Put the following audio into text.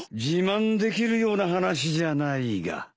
自慢できるような話じゃないが。